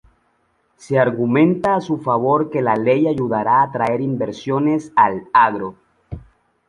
Se argumenta a su favor que la ley ayudará a atraer inversiones al agro.